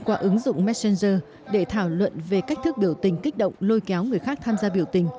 qua ứng dụng messenger để thảo luận về cách thức biểu tình kích động lôi kéo người khác tham gia biểu tình